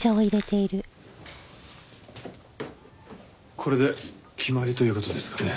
これで決まりという事ですかね。